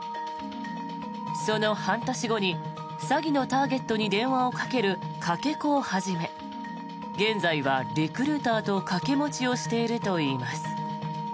その半年後に詐欺のターゲットに電話をかけるかけ子を始め現在はリクルーターと掛け持ちをしているといいます。